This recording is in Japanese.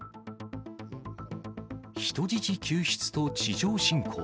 人質救出と地上侵攻。